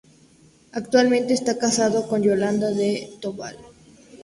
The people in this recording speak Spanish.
Actualmente está casado con "Yolanda Then Tobal".